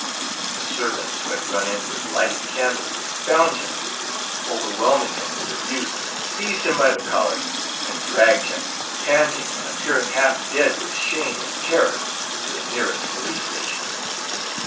"The servants who had run in with lighted candles, found him, and overwhelming him with abuse, seized him by the collar and dragged him, panting and appearing half dead with shame and terror, to the nearest police station.